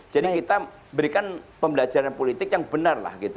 jadi kita berikan pembelajaran politik yang benar